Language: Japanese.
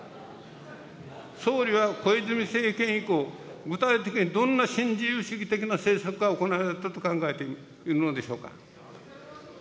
総理は小泉政権以降、具体的にどんな新自由主義的な政策が行われたと考えているのでしょうか。